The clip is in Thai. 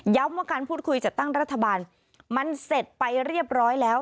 ว่าการพูดคุยจัดตั้งรัฐบาลมันเสร็จไปเรียบร้อยแล้ว